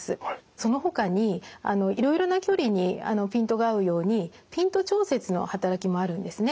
そのほかにいろいろな距離にピントが合うようにピント調節の働きもあるんですね。